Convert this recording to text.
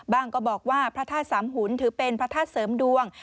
ก็บอกว่าพระธาตุสามหุนถือเป็นพระธาตุเสริมดวง